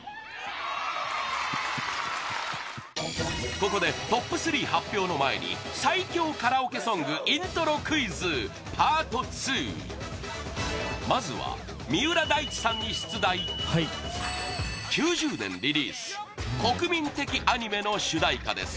ここで、トップ３発表の前に最強カラオケソングイントロクイズ、パート２まずは、三浦大知さんに出題９０年リリース国民的アニメの主題歌です